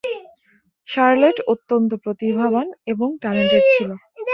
Charlotte অত্যন্ত প্রতিভাবান এবং ট্যালেন্টড ছিল।